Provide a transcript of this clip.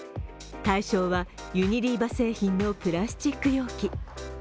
対象は、ユニリーバ製品のプラスチック容器。